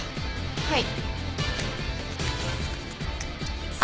はい。